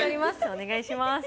お願いします。